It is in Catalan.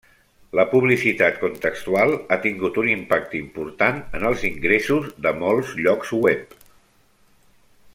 La publicitat contextual ha tingut un impacte important en els ingressos de molts llocs web.